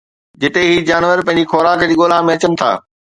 جتي هي جانور پنهنجي خوراڪ جي ڳولا ۾ اچن ٿا